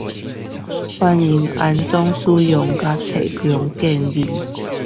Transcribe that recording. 歡迎安裝使用及提供建議